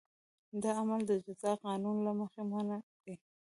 دا عمل د جزا قانون له مخې منع دی.